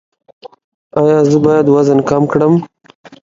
ایا زه باید وزن کم کړم؟